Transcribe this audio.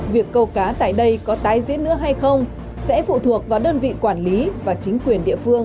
việc câu cá tại đây có tái diễn nữa hay không sẽ phụ thuộc vào đơn vị quản lý và chính quyền địa phương